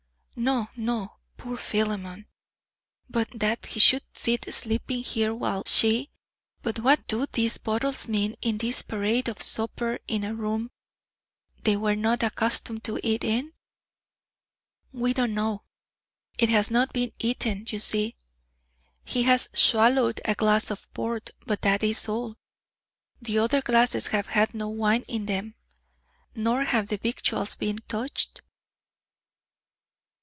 "No, no, poor Philemon! But that he should sit sleeping here while she But what do these bottles mean and this parade of supper in a room they were not accustomed to eat in?" "We don't know. It has not been eaten, you see. He has swallowed a glass of port, but that is all. The other glasses have had no wine in them, nor have the victuals been touched."